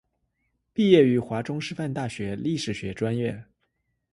毕业于华中师范大学历史学专业。